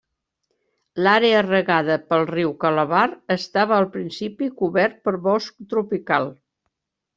L'àrea regada pel riu Calabar estava al principi cobert per bosc tropical.